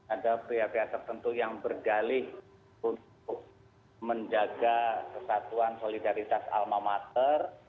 ada pihak pihak tertentu yang bergalih untuk menjaga kesatuan solidaritas alma mater